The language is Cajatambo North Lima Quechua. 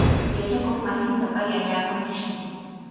Yachakuqmasinta pay allaapami ashllin.